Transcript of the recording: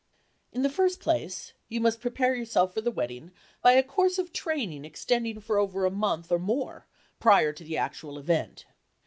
In the first place, you must prepare yourself for the wedding by a course of training extending for over a month or more prior to the actual event.